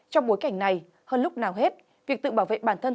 trong bối cảnh này hơn lúc nào hết việc tự bảo vệ bản thân